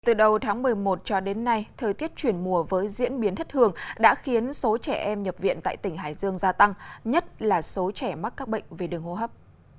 từ đầu tháng một mươi một cho đến nay thời tiết chuyển mùa với diễn biến thất hường đã khiến số trẻ em nhập viện tại tỉnh hải dương gia tăng nhất là số trẻ mắc các bệnh về đường hô hấp